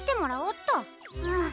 うん。